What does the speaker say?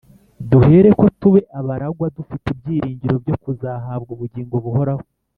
duhereko tube abaragwa, dufite ibyiringiro byo kuzahabwa ubugingo buhoraho